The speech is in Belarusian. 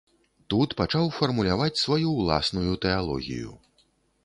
Тут пачаў фармуляваць сваю ўласную тэалогію.